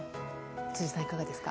辻さん、いかがですか。